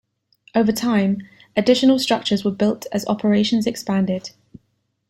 Over time, additional structures were built as operations expanded.